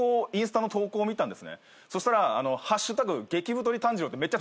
そしたら。